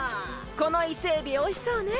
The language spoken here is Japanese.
このイセエビおいしそうね！